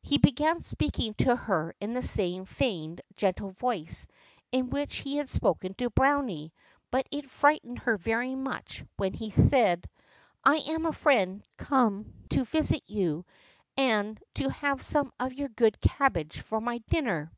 He began speaking to her in the same feigned, gentle voice in which he had spoken to Browny; but it frightened her very much when he said: "I am a friend come to visit you and to have some of your good cabbage for my dinner."